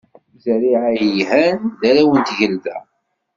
Zerriɛa yelhan, d arraw n tgelda.